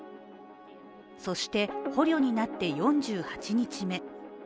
そして、捕虜になって４８日目。